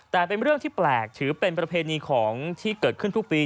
แต่เป็นเรื่องที่แปลกถือเป็นประเพณีของที่เกิดขึ้นทุกปี